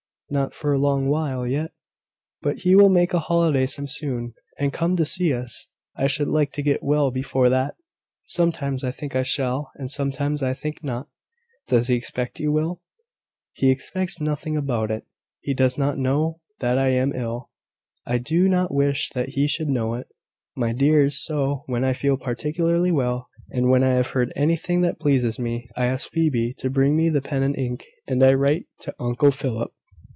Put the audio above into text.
"Not for a long while yet: but he will make a holiday some time soon, and come to see us. I should like to get well before that. Sometimes I think I shall, and sometimes I think not." "Does he expect you will?" "He expects nothing about it. He does not know that I am ill. I do not wish that he should know it, my dears; so, when I feel particularly well, and when I have heard anything that pleases me, I ask Phoebe to bring me the pen and ink, and I write to Uncle Philip."